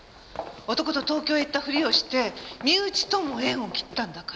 男と東京へ行ったふりをして身内とも縁を切ったんだから。